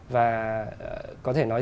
và có thể nói